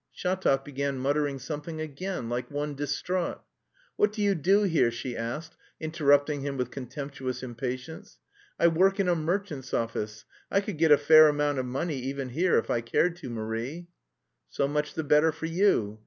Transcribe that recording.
Shatov began muttering something again, like one distraught. "What do you do here?" she asked, interrupting him with contemptuous impatience. "I work in a merchant's office. I could get a fair amount of money even here if I cared to, Marie." "So much the better for you...."